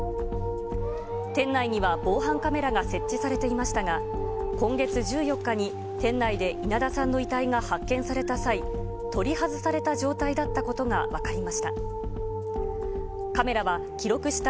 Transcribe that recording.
店内には防犯カメラが設置されていましたが、今月１４日に、店内で稲田さんの遺体が発見された際、取り外された状態だったことが分かりました。